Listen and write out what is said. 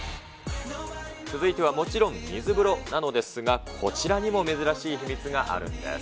続いてはもちろん、水風呂なのですが、こちらにも珍しい秘密があるんです。